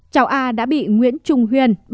cháu a đã bị nguyễn trung huyên